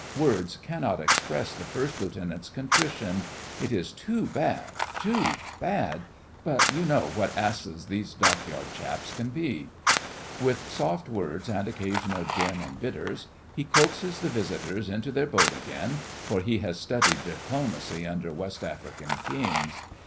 Words cannot express the First Lieutenant's contrition. It is too bad, too bad, but you know what asses these Dockyard chaps can be.' With soft words and occasional gin and bitters he coaxes the visitors into their boat again, for he has studied diplomacy under West African Kings.